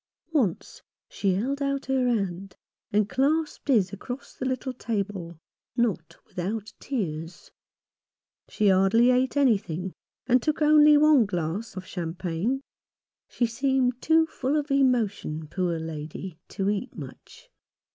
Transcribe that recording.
Once she held out her hand and clasped his across the little table — not without tears. She hardly ate anything, and took only one glass of cham pagne. She seemed too full of emotion, poor lady, to eat much.